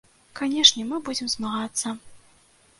Канешне, мы будзем змагацца!